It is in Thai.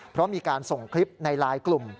เพราะมีการส่งคลิปในไลน์กลุ่ม